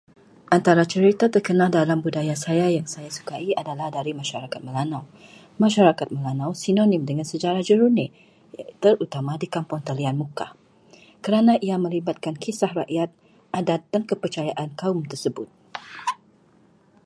Antara cerita terkenal dalam budaya saya yang saya sukai adalah dari masyarakat Melanau. Masyarakat Melanau sinonim dengan sejarah jerunai, terutama di Kampung Tellian, Mukah, kerana ia melibatkan kisah rakyat, adat dan kepercayaan kaum tersebut.